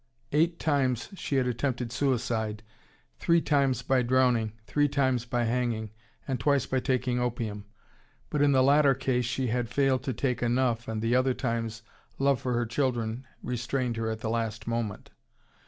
Eight times she had attempted suicide, three times by drowning, three times by hanging, and twice by taking opium; but in the latter case she had failed to take enough, and the other times love for her children restrained her at the last moment.